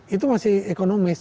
itu masih ekonomis